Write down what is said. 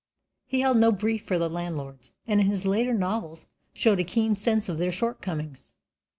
He held no brief for the landlords, and in his later novels showed a keen sense of their shortcomings.